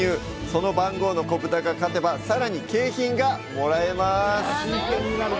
その番号の子豚が勝てば、さらに景品がもらえます。